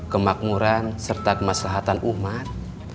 kemakmuran serta kemaslahatan umat